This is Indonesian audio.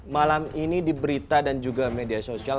malam ini di berita dan juga media sosial